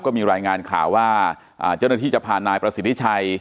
ก็มีรายงานข่าวว่าเจ้าหน้าที่จะพานายประสิทธิชัย